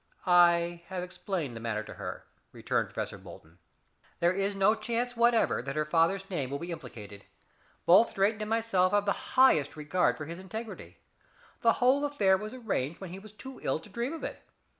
"I have explained the matter to her," returned Professor Bolton. "There is no chance whatever that her father's name will be implicated. Both Drayton and myself have the highest regard for his integrity. The whole affair was arranged when he was too ill to dream of it.